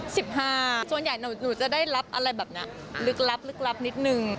ส่วนใหญ่หนูจะได้รับอะไรแบบนี้ลึกลับนิดหนึ่ง